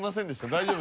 大丈夫？